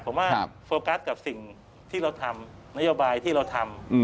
ผมว่าโฟกัสกับสิ่งที่เราทำนโยบายที่เราทำ